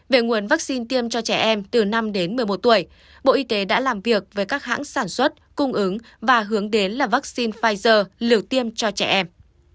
về nguồn vaccine tiêm cho trẻ em từ năm đến một mươi một tuổi bộ y tế đã làm việc với các hãng sản xuất cung ứng và hướng đến là vaccine pfizer lửa tiêm cho trẻ em